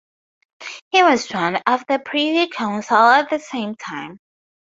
He was sworn of the Privy Council at the same time.